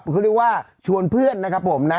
เขาเรียกว่าชวนเพื่อนนะครับผมนะ